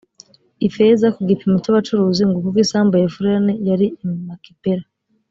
ifeza ku gipimo cy abacuruzi nguko uko isambu ya efuroni yari i makipela